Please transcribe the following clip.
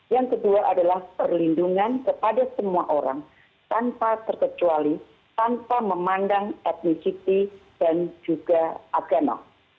yang kedua adalah perlindungan kepada semua orang tanpa terkecuali tanpa memandang etnisity dan juga agama